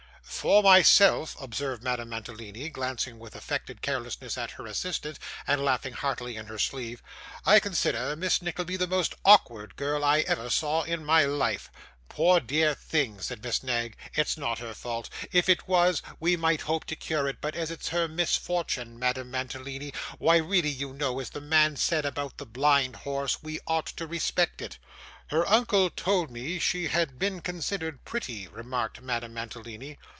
'For myself,' observed Madame Mantalini, glancing with affected carelessness at her assistant, and laughing heartily in her sleeve, 'I consider Miss Nickleby the most awkward girl I ever saw in my life.' 'Poor dear thing,' said Miss Knag, 'it's not her fault. If it was, we might hope to cure it; but as it's her misfortune, Madame Mantalini, why really you know, as the man said about the blind horse, we ought to respect it.' 'Her uncle told me she had been considered pretty,' remarked Madame Mantalini.